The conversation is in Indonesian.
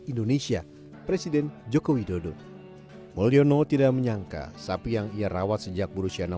indonesia presiden jokowi dodo mulyono tidak menyangka sapi yang ia rawat sejak berusia enam